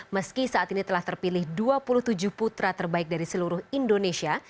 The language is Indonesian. meski saat ini telah terpilih dua puluh tujuh putra terbaik dari seluruh indonesia